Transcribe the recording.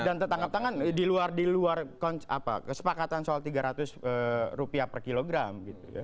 dan tertangkap tangan di luar kesepakatan soal tiga ratus rupiah per kilogram